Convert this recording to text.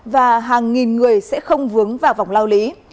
và hàng nghìn người sẽ không vướng vào vòng lao lý